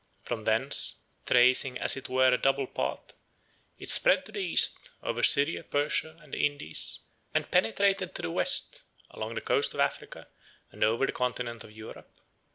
From thence, tracing as it were a double path, it spread to the East, over Syria, Persia, and the Indies, and penetrated to the West, along the coast of Africa, and over the continent of Europe.